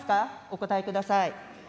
お答えください。